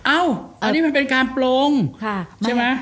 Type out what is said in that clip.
อ้าวอันนี้มันเป็นการโปร่งใช่ไหม